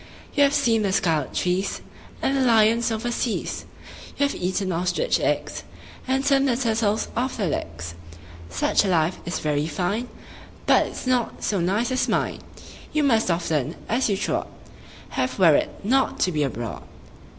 You have seen the scarlet trees And the lions over seas; You have eaten ostrich eggs, And turned the turtles off their legs. Such a life is very fine, But it's not so nice as mine: You must often, as you trod, Have wearied not to be abroad.